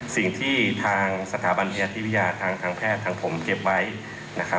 สิ่งที่ทางสถาบันพยาธิวิทยาทางแพทย์ทางผมเก็บไว้นะครับ